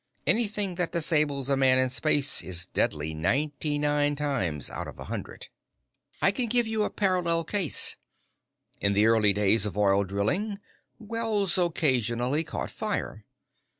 Anything that disables a man in space is deadly ninety nine times out of a hundred. "I can give you a parallel case. In the early days of oil drilling, wells occasionally caught fire.